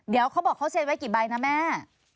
เดี๋ยวเขาบอกเขาเซ็นไว้กี่ใบนะแม่